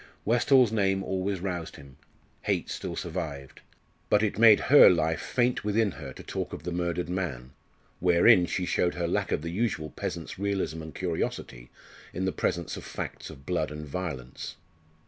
Westall's name always roused him. Hate still survived. But it made her life faint within her to talk of the murdered man wherein she showed her lack of the usual peasant's realism and curiosity in the presence of facts of blood and violence.